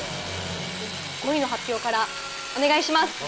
５位の発表からお願いします。